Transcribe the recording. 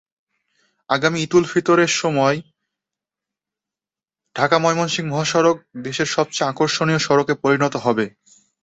আগামী ঈদুল ফিতরের সময় ঢাকা-ময়মনসিংহ মহাসড়ক দেশের সবচেয়ে আকর্ষণীয় সড়কে পরিণত হবে।